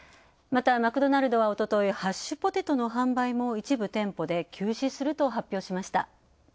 また、マクドナルドはおとといハッシュポテトの販売も一部店舗で休止すると発表しました。